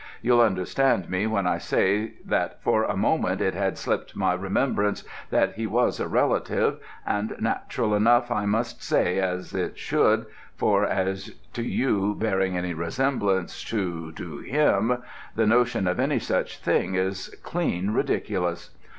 You'll understand me when I say that for the moment it had slipped my remembrance that he was a relative; and natural enough, I must say, as it should, for as to you bearing any resemblance to to him, the notion of any such a thing is clean ridiculous.